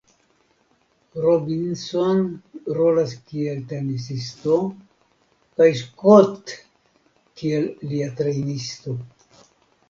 Robinson rolas kiel tenisisto kaj Scott kiel lia trejnisto.